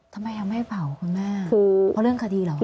ทำไมยังไม่เผาคุณแม่คือเพราะเรื่องคดีเหรอ